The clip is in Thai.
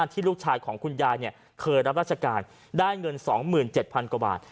ที่ลูกชายของคุณยายเคยรับราชการได้เงิน๒๗๐๐กว่าบาท